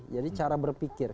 jadi cara berpikir